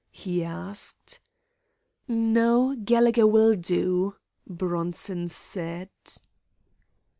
he asked. "No; Gallegher will do," Bronson said.